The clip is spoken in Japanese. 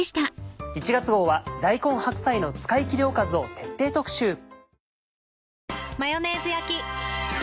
１月号は大根・白菜の使い切りおかずを徹底特集。